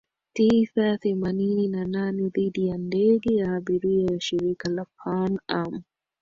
tisa themanini na nane dhidi ya ndege ya abiria ya Shirika la Pan Am